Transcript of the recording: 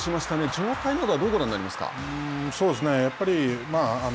状態のほうはどうご覧になります